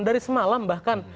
dari semalam bahkan